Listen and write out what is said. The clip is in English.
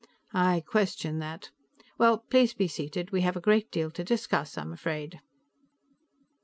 "I question that. Well, please be seated. We have a great deal to discuss, I'm afraid."